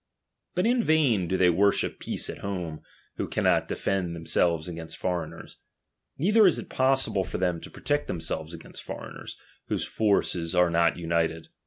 VI. 7 But io vain do they worship peace at home, ^,j who cannot defend themselves against foreigners ; ""Bs neither is it possible for them to protect themselves against foreigners, whose forces are not united.